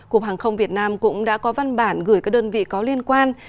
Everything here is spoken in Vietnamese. cục hàng không việt nam cũng đã có văn bản gửi các đơn vị có liên quan